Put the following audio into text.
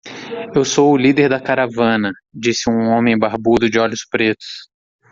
"Eu sou o líder da caravana?", disse um homem barbudo de olhos pretos.